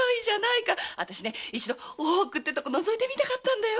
あたしね一度大奥ってとこのぞいてみたかったんだよ！